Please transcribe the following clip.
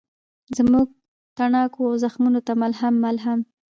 زموږ تڼاکو او زخمونوته ملهم، ملهم